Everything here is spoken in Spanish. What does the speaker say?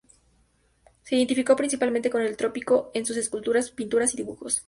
Se identificó principalmente con el trópico en sus esculturas, pinturas y dibujos.